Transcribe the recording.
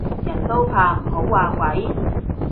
人都怕唔好話鬼